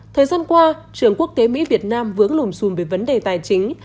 thời gian qua trường quốc tế mỹ việt nam vướng lùm xùm về vấn đề tài chính